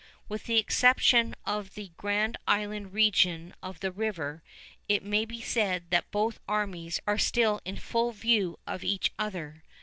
With the exception of the Grand Island region on the river, it may be said that both armies are in full view of each other.